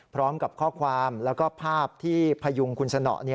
พร้อมกับข้อความและพาบที่ผี่ยุงคุณสน